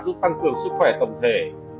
giúp tăng cường sức khỏe tổng thể